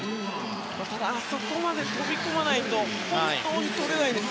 あそこまで飛び込まないと本当にとれないんです。